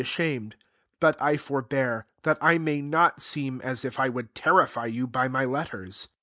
ashamed: 9 but I forbear y that I may not seem as if I would terrify you by my letters.